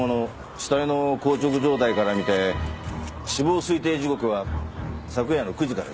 死体の硬直状態から見て死亡推定時刻は昨夜の９時から１１時。